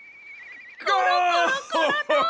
コロコロコロロ！